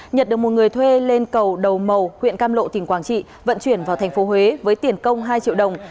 nhật được một người thuê lên cầu đầu màu huyện cam lộ tỉnh quảng trị vận chuyển vào thành phố huế với tiền công hai triệu đồng